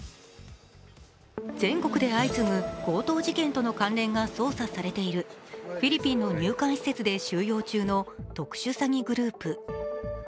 全国で相次ぐ強盗事件との関連が捜査されているフィリピンの入管施設で収容中の特殊詐欺グループ。